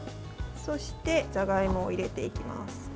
そして、じゃがいもを入れていきます。